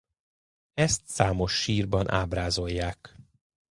Ezt számos sírban ábrázolják.